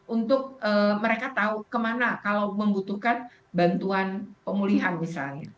untuk mereka tahu kemana kalau membutuhkan bantuan pemulihan misalnya